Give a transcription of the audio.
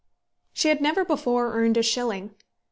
She had never before earned a shilling.